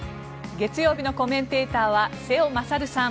月曜日のコメンテーターは瀬尾傑さん